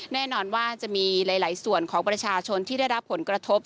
แน่นอนว่าจะมีหลายส่วนของประชาชนที่ได้รับผลกระทบ